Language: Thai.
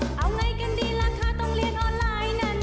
เอาไงกันดีล่ะคะต้องเรียนออนไลน์นั้น